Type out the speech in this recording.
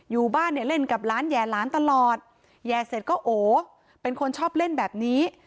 อยู่บ้านเนี่ยเล่นกับร้านแห่หลานตลอดแย่เสร็จก็โอเป็นคนชอบเล่นแบบนี้